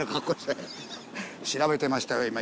調べてましたよ